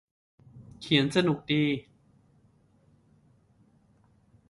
เขียนสนุกดี